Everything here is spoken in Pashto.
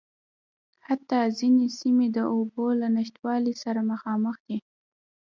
حتٰی ځينې سیمې د اوبو له نشتوالي سره مخامخ دي.